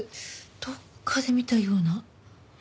どっかで見たような。